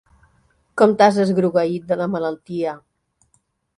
Com t'has esgrogueït de la malaltia.